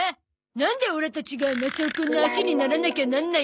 なんでオラたちがマサオくんの脚にならなきゃなんないの？